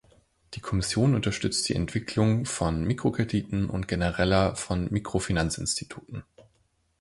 Die Kommission unterstützt die Entwicklung von Mikrokrediten und genereller von Mikrofinanzinstituten.